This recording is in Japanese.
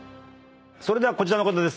それではこちらの方です。